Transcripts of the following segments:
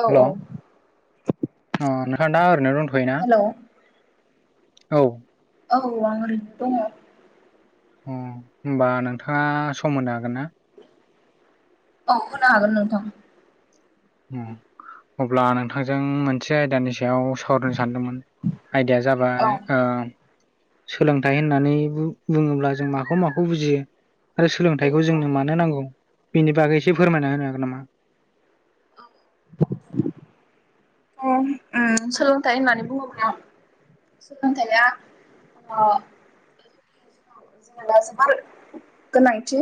औ हेल' औ अ नोंथां दा ओरैनो दंथ'यो ना? हेलौ औ, औ आं ओरैनो दङ। उम होमबा नोंथाङा सम होनो हागोन ना? औ होनो हागोन नोंथां। उम अब्ला नोंथांजों मोनसे आयदानि सा याव सावरायनो सानदोंमोन आयदाया औ जाबाय ओ सोलोंथाइ होननानै बु बुङोब्ला जों माखौ माखौ बुजियो? आरो सोलोंथाइखौ जोंनो मानो नांगौ बेनि बागै एसे फोरमायना होनो हागोन नामा? [inaudible] उम ओ सोलोंथाइ होननानै बुङोबा। सोलोंथाया‌ ओ जोंनो दा जोबोर गोनांथि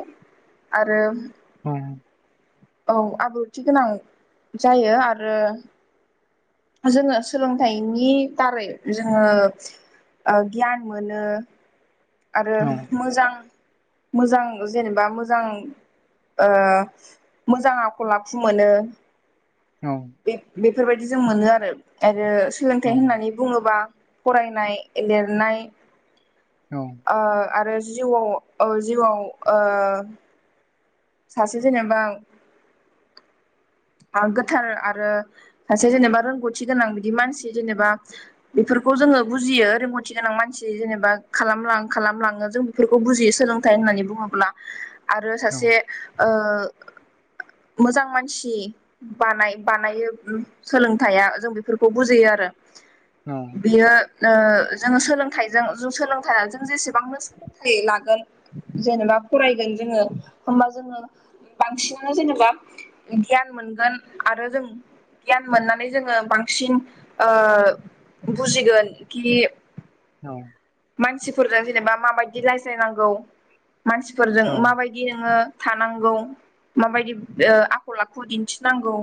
आरो उम औ आब्रुथि गोनां जायो आरो। जोङो सोलोंथाइनि दारै जोङो ओ गियान मोनो आरो औ मोजां मोजां जेनेबा मोजां। ओ मोजां आखल आखु मोनो। औ बे बेफोरबायदि जों मोनो आरो आरो औ सोलोंथाइ होननानै बुङोबा। फरायनाय लिरनाय औ ओ आरो जिउआव ओ जिउआव ओ सासे जेनेबा [inaudible] ओ गोथार आरो सासे जेनेबा रोंगौथि गोनां बिदि मानसि जेनेबा बेफोरखौ। जोङो बुजियो रोंगौथि गोनां मानसि जेनेबा खालामलां खालामलाङो जों बेफोरखौ बुजियो सोलोंथाइ होननानै होननानै बुङोब्ला आरो औ सासे ओ मोजां मानसि बानाय बानायो सोलोंथाइया जों बेफोरखौ बुजियो आरो। औ बियो ओ जोङो सोलों लोंथाइजों जों सोलोंथाइया जों जेसेबांनो सोलोंथाइ लागोन जेनेबा फरायगोन जोङो। होमबा जोङो बांसिनानो जेनेबा गियान मोनगोन आरो जों गियान मोननानै जोङो बांसिन ओ बुजिगोन कि औ मानसिफोरजों जेनेबा माबायदि रायज्लायनांगौ मानसिफोरजों औ माबायदि नोङो। थानांगौ माबायदि ओ आखल आखु दिन्थिनांगौ।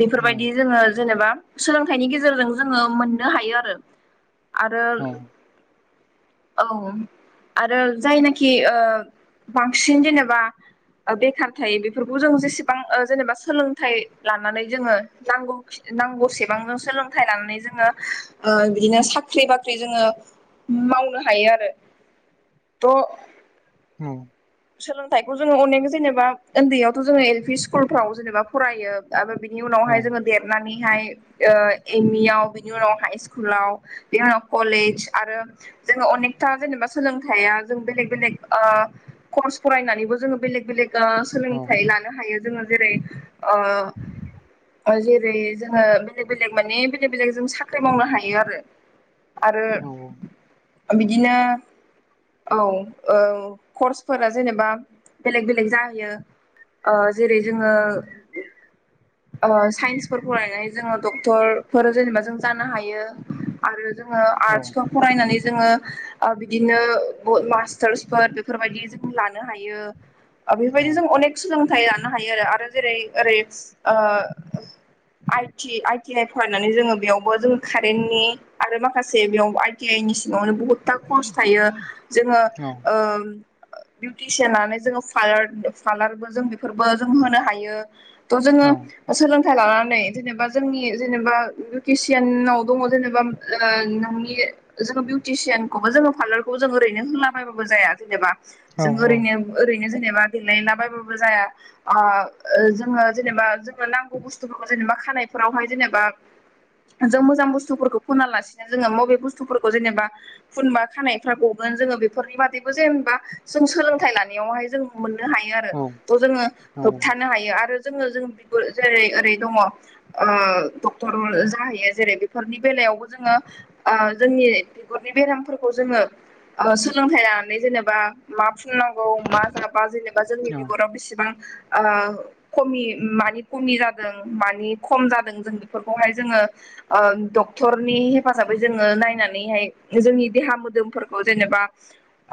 बेफोरबायदि जोङो जेनेबा सोलोंथाइनि गेजेरजों जोङो मोननो हायो आरो। आरो औ [inaudible] औ आरो जायनाखि ओ बांसिन जेनेबा ओ बेखार थायो बेफोरखौ जों जेसेबां ओ जेनेबा सोलोंथाइ लानानै जोङो नांगौ खि नांगौसेबांजों सोलोंथाइ लानानै जोङो ओ बिदिनो साख्रि बाख्रि जोङो। मावनो हायो आरो त' उम सोलोंथाइखौ जोङो अनेक जेनेबा उन्दैयावथ' जोङो एल पि स्कुलफ्राव जेनेबा फरायो। आरो बिनि औ उनावहाय जोङो देरनानै। हाय ओ एम इ आव बिनि उनाव हाइ स्कुलाव बेनि उनाव कलेज आरो। जोङो अनेकथा जेनेबा सोलोंथाइया जों बेलेग बेलेग ओ। कर्स फरायनानैबो जोङो बेलेग बेलेग ओ सोलोंथाइ लानो हायो जोङो जेरै आ ओ जेरै जोङो बेलेक बेलेग मानि बेलेक बेलेक जों साख्रि मावनो हायो आरो। आरो औ बिदिनो औ औ कर्स फोरा जेनेबा बेलेक बेलेग जाहैयो ओ जेरै जोङो। ओ साइन्सफोर फरायनानै जोङो डक्टर फोर जेनेबा जों जानो हायो आरो‌। जोङो आर्ट्सखौ फरायनानै जोङो। ओ बिदिनो मास्टार्सफोर बेफोर बायदि जों लानो हायो। ओ बेफोर बायदि जों अनेक सोलोंथाइ लानो हायो आरो आरो जेरै ओरै ओ आइटि आइटि आइ फरायनानै जोङो बेयावबो जोङो कारेन्टनि आरो माखासे बेयाव आइटि इ नि सिङावनो बुहुतथा खर्स थायो जोङो ओ ओ बिउटिसियान नानानै जोंङो फालार-फार्लारबो जों बेफोरबो जों होनो हायो। थ जोङो ओ सोलों थाइ लानानै जेनेबा जोंनि जेनेबा बिउसियानाव दङ' जेनेबा ओ नोंनि ओ जोङो बिउटिसियानखौबो जोङो पार्लारखौ जों ओरैनो होलाबायबाबो जाया जेनेबा औ जों ओरैनो ओरै जेनेबा देलायला बायबाबो जाया। ओ जोङो जेनेबा नांगौ बुस्थुफोरखौ जेनेबा खानायफोरावहाय जेनेबा जों मोजां बुस्थुफोरखौ फुनालासिनो जोङो मबे बुस्थुफोरखौ जेनेबा फुनबा खानायफ्रा ग गोन। जोङो बेफोरनि बादैबो जेनेबा जों सोलोंथाइ लानायावहाय जों मोननो हायो आरो औ थ जोङो औ होबथानो हायो आरो जोङो जों बिबो जेरै ओरै दङ'। ओ डक्टर जाहैयो जेरै बेफोरनि बेलायाव यावबो ओ जोङो जोंनि बिगुरनि बेरामफोरखौ जोङो ओ सोलोंथाइ लानानै जेनेबा मा फुननांगौ मा जाबा जेनेबा जोंनि औ बिगराव बिसिबां ओ खमि मानि खमि जादों मानि खम जादों जों बेफोरखौहाय जोङो ओ डक्टरनि हेफाजाबै जोङो नायनानैहाय जोंनि देहा मोदोमफोरखौ जेनेबा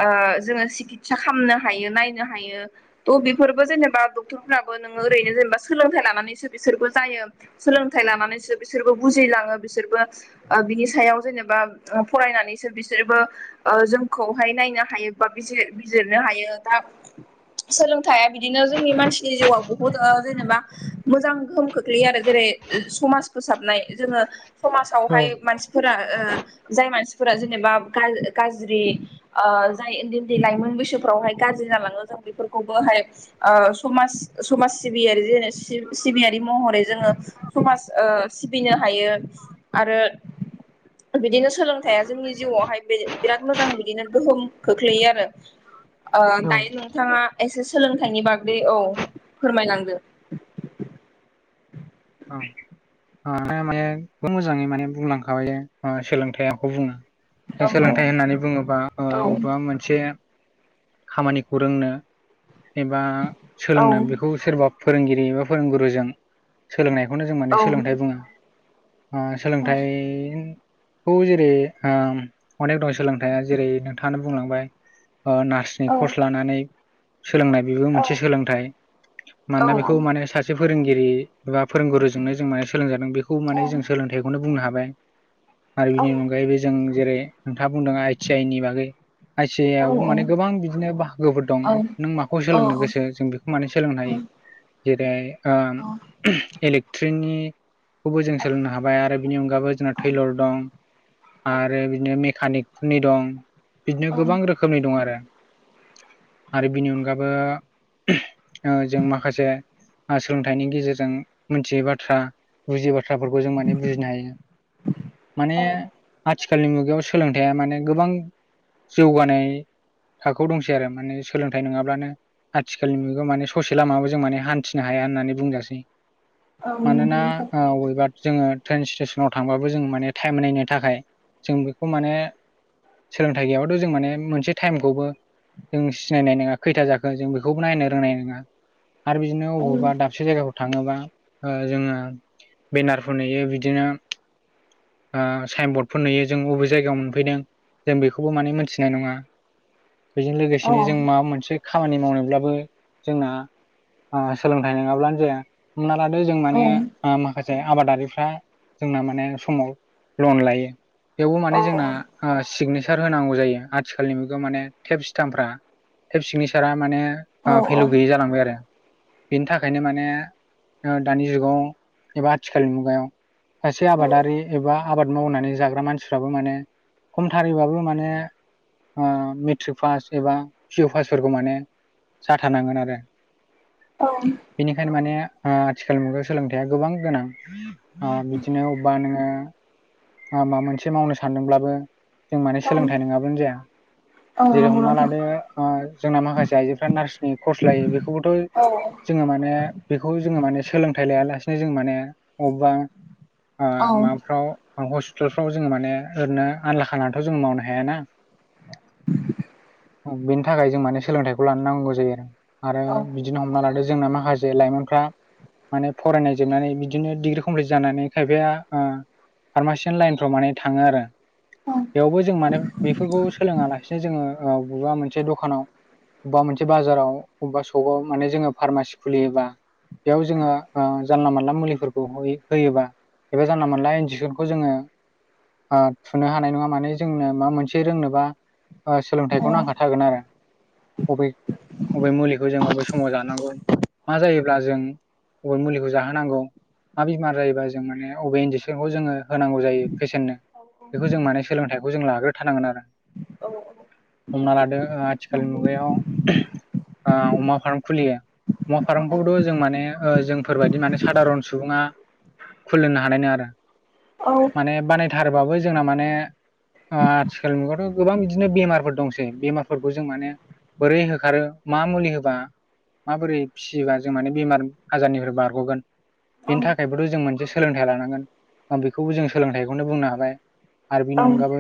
ओ जोंङो सि कितसा खालामनो हायो नायनो हायो तह बेफोरबो जेनेबा डक्टरफोराबो नोङो ओरैनो जेनेबा सोलों [unintelligible] लानानैसो बिसोरबो जायो सोलोंथाइ लानानैसो बिसोरबो बुजिलाङो बिसोरबो ओ बिनि सायाव जेनेबा फरायनानैसो बिसोरबो ओ जोंखौहाय नायनो हायो बा बि बिजिरनो हायो दा सोलोंथाइया बिदिनो जोंनि मानसिनि जिउआव बुहुत ओ जेनेबा मोजां गोहोम खोख्लैयो आरो जेनबा बे समाज फोसाबनाय जोंङो औ समाजावहाय मानसिफोरा ओ जाय मानसिफोरा जेनेबा गाज-गाज्रि ओ जाय ओनदि दि लाइमोन बैसोफ्रावहाय गाज्रि जालाङो जों बेफोरखौबोहाय ओ समाज समाज सिबियारि जि सिबियारि महरै जोङो समाज ओ सिबिनो हायो आरो बिदिनो सोलोंथाइया जोंनि जिउआवहाय बिराद मोजां बिदिनो गोहोम खोख्लैयो आरो रो ओ औ दायो नोंथाङा एसे सोलोंथाइनि बागै औ फोरमायलांदो [inaudible] [inaudible] माने मोजाङै माने बुंलांखाबायो सोलोंथाइखौ बुङो औ सोलोंथाइ होननानै बुंङोबा ओ औ बबबा मोनसे खामानिखौ रोंनो एबा औ सोलोंनो बेखौ सोरबा फोरोंगिरि एबा फोरोंगुरुजों सोलोंनायखौनो जों माने औ सोलोंथाइ बुंङो। ओ औ सोलोंथाइ खौ जेरै ओ अनेक दं सोलोंथाइया जेरै नोंथाङानो बुंलांबाय ओ नार्सनि औ कर्स लानानै सोलोंनाय बेबो औ मोनसे सोलोंथाइ औ मानोना बेखौ माने सासे फोरोंगिरि बा फोरोंगुरुजोंनो जों माने सोलोंजादों बेखौ माने जों सोलोंथाइखौनो बुंनो हाबाय। आरो बिनि अनगायैबो जों जेरै नोंथाङा बुंदों आइ टि आइ नि बागै आइ सि आइ आवबो माने गोबां बिदिनो बाहागोफोर दं नों माखौ औ सोलोंनो गोसो जों बेखौ माने सोलोंनो हायो। जेरै ओ औ इलेक्ट्रिकनि खौबो जों सोलोंनो हाबाय आरो बिनि अनगायबो जोंना थैलर दं आरो बिदिनो मेकानिक फोनि दं बिदिनो गोबां रोखोमनि दं आरो। आरो बिनि अनगाबो जों माखासे सोलोंथाइनि गेजेरजों मिथियै बाथ्रा बियो बाथ्राफोरखौ जों माने बुजिनो हायो माने आथिखाल आथिखालनि मुगायाव सोलोंथाइा माने गोबां जौगानाय थाखोआव दंसै आरो माने सोलोंथाइ नङाब्लानो आथिखालनि मुगायाव माने ससे लामाबो जों माने हान्थिनो हाया होननानै बुंजासै। नंगौ मानोना नोंथां अबेबा जोङो ट्रेन स्टेसनाव थांबाबो जों माने टाइम नायनो थाखाय जों बेखौ माने सोलोंथाइ गैयाबथ' जों माने मोनसे टाइमखौबो जों सिनायनाय नङा खैथा जाखो जों बेखौबो नायनो रोंनाय नङा। आरो बिदिनो अबावबा औ दाबसे जायगाफोर थाङोबा ओ जोङो बेनारफोर नुयो बिदिनो ओ साइन बर्डफोर नुयो जों बबे जायगायाव मोनफैदों जों बेखौबो माने मोनथिनाय नङा बेजों लोगोसेनो जों माबा मोनसे खामानि मावनोब्लाबो जोंना ओ सोलोंथाइ नङाब्लानो जाया लादो जों औ औ माने माखासे आबादारिफ्रा जोंना माने समाव लन लायो बेवबो माने जोंना सिगनेसार हासार होनांगौ जायो आथिखालनि मुगायाव माने टेप सिटथामफ्रा टेप सिगनेसारा माने औ ओ फेलु गैयि जालांबाय आरो बेनि थाखायनो माने दानि जुगाव एबा आथिखालनि मुगायाव सासे आबादारि एबा आबाद मावनानै जाग्रा मानसिफ्राबो माने खमथारैबाबो माने ओ मेट्रिक पास एबा पि इउ पासफोरखौ माने जाथारनांगोन आरो औ। ओंखायनो माने ओ आथिखाल मुगायाव सोलोंथायाइया गोबां गोनां बिदिनो अबेबा नोङो माबा मोनसे मावनो सानदोंब्लाबो जों माने सोलोंथाइ नङाब्लानो जाया। जेरै नंगौ हमना नोंथां लादो जोंना माखासे आइजोफ्रा नार्सनि कर्स लायो बेखौ औ खौबोथ' औ जोङो माने बेखौ जोङो माने सोलोंथाइ लाया लासेनो जोंङो माने बबेबा औ माबाफ्राव हस्पिटालफ्राव जों माने ओरैनो आनला खानानैथ' जों मावनो हायाना। बेनि थाखाय जों माने सोलोंथाइखौ लानो नांगौ जायो आरो। आरो औ बिदिनो हमना लादो जोंना माखासे लाइमोन फ्रा माने फरायनाय जोबनानै बिदिनो डिग्रि कमप्लिट जानानै खायफाया फार्मासिनो लाइनफ्राव माने थाङो आरो बेयावबो जों माने बेफोरखौ सोलोङा लासिनो जोङो बबेबा मोनसे दखानाव अबेबा मोनसे बाजाराव अबेबा सकाव माने जोङो फार्मासि खुलियोबा बेयाव जोङो जानला मानला मुलिफोरखौ होयोबा एबा जानला मोनला इन्जेकसनखौ जोङो। थुनो हानाय नङा माने जोंनो माबा मोनसे रोंनोबा ओ सोलोंथाइखौ नांखाथारगोन आरो अबे अबे मुलिखौ जों अबे समाव जानांगौ मा जायोब्ला जों अबे मुलिखौ जाहोनांगौ मा बेमार जायोबा जों माने अबे इन्जेकसनखौ जोङो होनांगौ जायो पेसेननो बेखौ जों माने सोलोंथाइखौ जों लाग्रो थारानांगोन आरो औ औ हमना लादो आथिखालनि नंगौ मुगायाव ओ अमा फार्म खुलियो अमा औ फार्म खौथ' जों माने ओ जोंफोरबायदि माने साादारन सुबुङा खुलिुमनो हानाय नङा आरो माने बानायथारोबाबो जोंना माने आथिखालनि मुगायावाथ' गोबां बिदिनो बेमारफोर दंसै बेमारफोरखौ जों माने बोरै होखारो मा मुलि होबा माबोरै फिसिबा जों माने बेमार आजारनिफ्राय बारग'गोन बेनि थाखायबोथ' जों मोनसे सोलोंथाइ लानांगोन आं बेखौबो जों सोलोंथाइखौनो बुंनो हाबाय आरो बेनि अनगाबो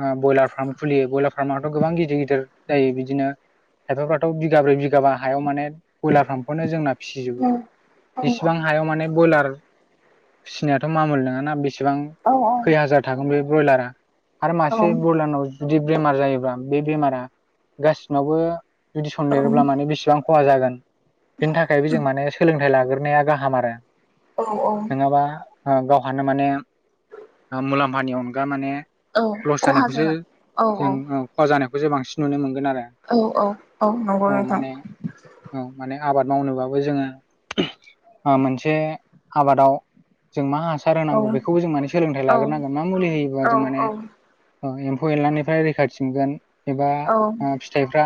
ओ बयलार फार्म खुलियो बयलार फार्मआथ' गोबां गिदिर गिदिर जायो बिदिनो खायफाफ्राथ' बिगाब्रै बिगाबा हायाव माने बयलार फार्मखौनो जोंना फिसिजोबो औ औ इसिबां हायाव माने बयलार फिसिनायाथ' मामुल नङाना बेसेबां औ खै हाजार थागोन बे बयलारा आरो मासे बयलारनाव जुदि बेमार जायोब्ला बे बेमारा गासिनावबो जुदि औ सनदेरोब्ला माने बेसेबां खहा जागोन बेनि थाखायबो जों माने सोलोंथाइ लाग्रोनाया गाहाम आरो औ नोङाबा ओ गावहानो माने मुलाम्फानि अनगा माने औ लस खहा जानायखौसो जागोन औ जों खहा जानायखौसो बांसिन नुनो मोन गोन आरो औ औ औ नंगौ औ नोंथां माने औ माने आबाद मावनोबाबो जोङो ओ मोनसे आबादाव जों मा हासार औ होनांगौ बेखौबो जों माने सोलोंथाइ औ लाग्रोनांगोन मा मुलि होयोबा औ जों औ माने एम्फौ एनलानिफ्राय रैखाथिमोनगोन एबा औ ओ औ फिथाइफ्रा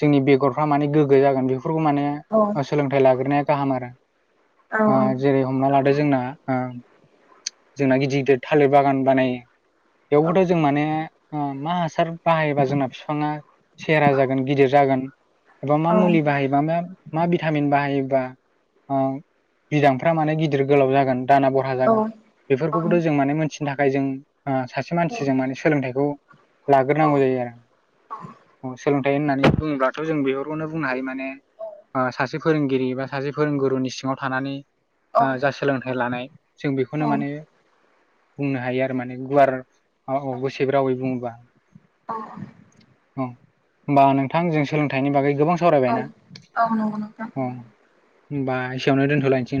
जोंनि बेगरफ्रा माने गोग्गो जागोन बेखौ माने ओ सोलोंथाइ लाग्रोनाया गाहाम आरो औ ओ नंगौ जेरै हमना लादो जोंना ओ जोंना गिदिर गिदिर थालिर बागान बानायो। बेवबोथ' जों माने ओ मा हासार बाहायोबा जोंना फिफाङा सेहेरा जागोन गिदिर जागोन एबा मा मुलि बाहायोबा मा मा भिटामिन बाहायो ओ बिदांफ्रा माने गिदिर गोलाव जागोन दाना बरहा जागोन नोंथां बेफोरखौबोथ' जों माने मोनथिनो थाखाय जों ओ सासे मानसिजों माने सोलोंथाइखौ लाग्रोनांगौ जायो आरो सोलोंथाइ होननानै बुङोब्लाथ' जों बे फोरखौनो बुंनो हायो माने ओ सासे फोरोंगिरि बा सासे फोरोंगुरुनि सिङाव ओ थानानै जा सोलोंथाइ लानाय जों बेखौनो माने बुंनो हायो आरो माने गुवार औ औ गुसेब रावै बुङोबा औ। होमबा नोंथां जों सोलोंथाइनि बागै गोबां सावरायबायना ओम होमबा एसेयावनो दोनथ'लायनोसै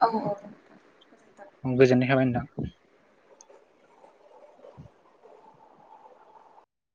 औ गोजोनथों गोजोननाय थाबाय नोंथां। [unintelligible]